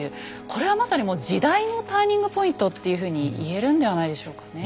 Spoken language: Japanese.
これはまさにもう時代のターニングポイントっていうふうに言えるんではないでしょうかね。